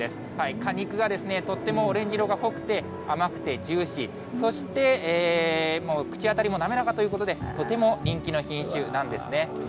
果肉がとってもオレンジ色が濃くて、甘くてジューシー、そして口当たりも滑らかということで、とても人気の品種なんですね。